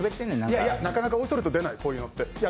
いやいや、なかなかおいそれと出ない、こういうのって。